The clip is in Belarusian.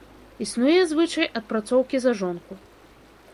Існуе звычай адпрацоўкі за жонку.